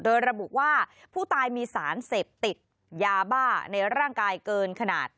โดยระบุว่าผู้ตายมีสารเสพติดยาบ้าในร่างกายเกินขนาด